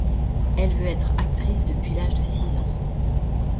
Elle veut être actrice depuis l'âge de six ans.